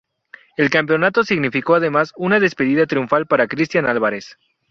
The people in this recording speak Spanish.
El campeonato significó además una despedida triunfal para Cristian Álvarez.